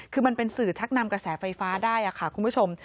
คือมันเป็นสื่อชักนำกระแสไฟฟ้าได้ค่ะคุณผู้ชม